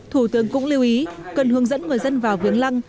thủ tướng cũng lưu ý cần hướng dẫn người dân vào viếng lăng